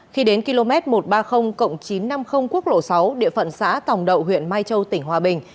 khi đến km một trăm ba mươi chín trăm năm mươi quốc lộ sáu địa phận xã tòng đậu huyện mai châu tỉnh hòa bình